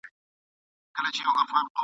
شمع به اوس څه وايی خوله نه لري ..